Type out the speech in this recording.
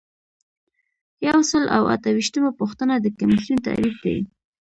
یو سل او اته ویشتمه پوښتنه د کمیسیون تعریف دی.